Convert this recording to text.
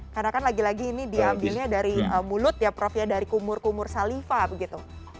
karena kan lagi lagi ini diambilnya dari mulut ya prof ya dari kumur kumur saliva begitu